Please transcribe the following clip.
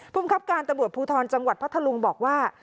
ภูมิครับการตำรวจภูทรจังหวัดพัทธลุงบอกว่า